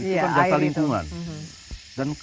itu kan dasar lingkungan